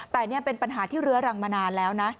แต่นี่เป็นปัญหาที่เรื้อรังมานานแล้วนะ